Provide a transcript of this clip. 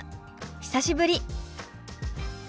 久しぶり。